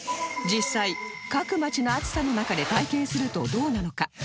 実際各街の暑さの中で体験するとどうなのか？